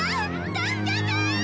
助けて！